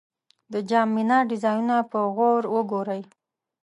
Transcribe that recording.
د جام منار ډیزاینونه په غور وګورئ.